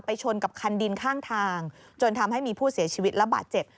ชนกับคันดินข้างทางจนทำให้มีผู้เสียชีวิตและบาดเจ็บ